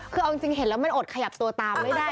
คือเอาจริงเห็นแล้วมันอดขยับตัวตามไม่ได้